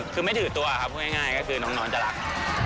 คือไม่ถือตัวครับพูดง่ายก็คือน้องจะรัก